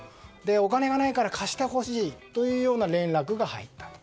お金がないから貸してほしいというような連絡が入った。